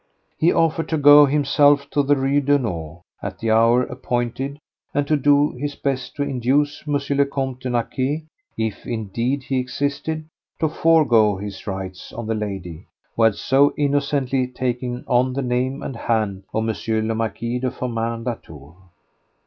He offered to go himself to the Rue Daunou at the hour appointed and to do his best to induce M. le Comte de Naquet—if indeed he existed—to forgo his rights on the lady who had so innocently taken on the name and hand of M. le Marquis de Firmin Latour.